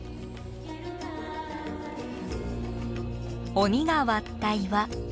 鬼が割った岩。